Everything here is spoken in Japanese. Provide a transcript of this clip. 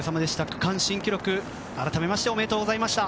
区間新記録、改めましておめでとうございました。